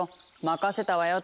任せたわよ